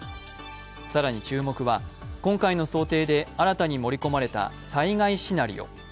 更に注目は今回の想定で新たに盛り込まれた災害シナリオ。